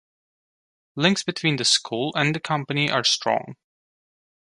Links between the School and the company are strong.